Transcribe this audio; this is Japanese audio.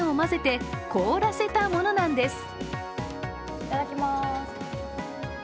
いただきます。